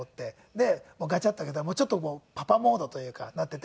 でガチャッと開けたらちょっともうパパモードというかなっていて。